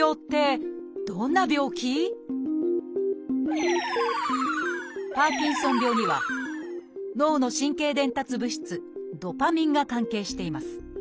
それはパーキンソン病には脳の神経伝達物質ドパミンが関係しています。